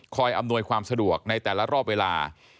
อำนวยความสะดวกในแต่ละรอบเวลา